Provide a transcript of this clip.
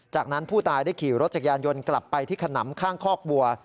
จากนั้นผู้ตายได้ขี่รถจักรยานยนต์กลับไปที่ขนำข้างคอกวัว